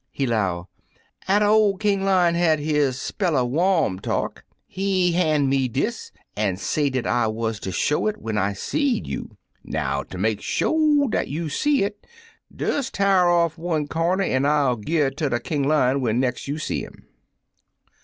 He 'low, 'Atter ol' King Lion had his spell er warm talk, he han' me dis, an' say dat I wuz ter show it when I seed you. Now, ter make sho' dat you seed it, des t'ar off one comder, an' gi' it to King Lion when nex' you see 'im.